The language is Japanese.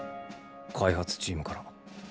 開発チームから。